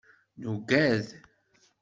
Nugad.